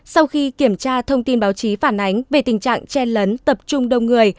sau khi kiểm tra thông tin báo chí phản ánh về tình trạng chen lấn tập trung đông người